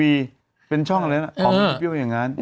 แอร์เบี้ยว